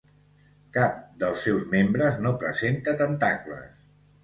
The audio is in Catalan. Cap dels seus membres no presenta tentacles.